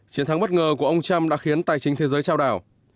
chiến thắng bất ngờ của ông trump đã khiến tài chính thế giới trao đảo